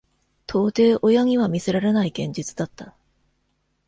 到底親には見せられない現実だった。